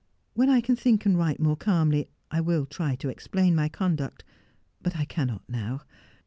When I can think and write more calmly I will try to explain my conduct, but I cannot now.